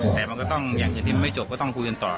เหมือนจูฟ